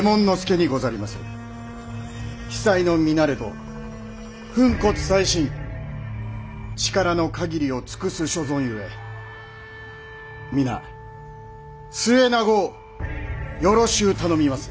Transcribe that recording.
非才の身なれど粉骨砕身力の限りを尽くす所存ゆえ皆末永うよろしう頼みます。